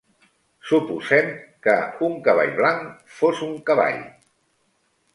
Suposem que un cavall blanc fos un cavall.